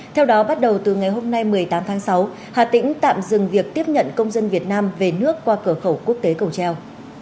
theo đó bắt đầu từ ngày hôm nay một mươi tám tháng sáu hà tĩnh tạm dừng việc tiếp nhận công dân việt nam về nước qua cửa khẩu quốc tế cầu treo